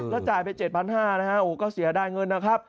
ก็จ่ายไป๗๕๐๐บาทนะฮะก็เสียได้เงินนะครับ